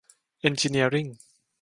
เอ็นจิเนียริ่ง